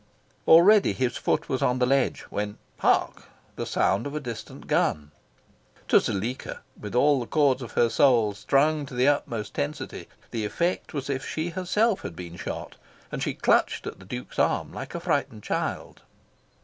Already his foot was on the ledge, when hark! the sound of a distant gun. To Zuleika, with all the chords of her soul strung to the utmost tensity, the effect was as if she herself had been shot; and she clutched at the Duke's arm, like a frightened child.